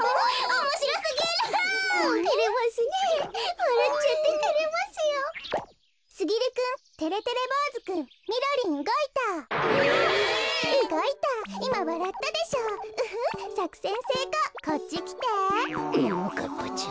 ももかっぱちゃん